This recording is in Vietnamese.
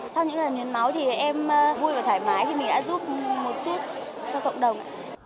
sau những lần hiến máu thì em vui và thoải mái vì mình đã giúp một chút cho cộng đồng